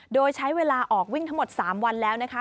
โดยใช้เวลาออกวิ่งทั้งหมด๓วันแล้วนะคะ